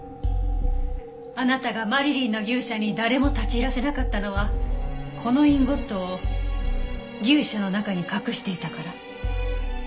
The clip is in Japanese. あなたがマリリンの牛舎に誰も立ち入らせなかったのはこのインゴットを牛舎の中に隠していたから。